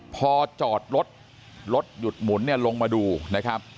พอจอดรถรถหยุดหมุนเนี่ยลงมาดูนะครับ